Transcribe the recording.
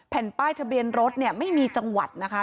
แผ่นป้ายทะเบียนรถเนี่ยไม่มีจังหวัดนะคะ